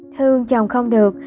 thương chồng không được